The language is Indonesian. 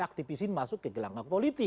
aktivisin masuk ke gelanggang politik